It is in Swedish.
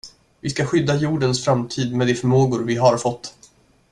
Vi ska skydda jordens framtid med de förmågor vi har fått.